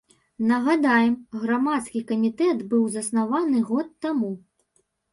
Нагадаем, грамадскі камітэт быў заснаваны год таму.